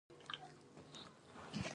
پکورې له خور سره ناستې خوند راولي